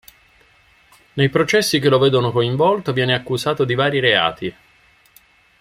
Nei processi che lo vedono coinvolto viene accusato di vari reati.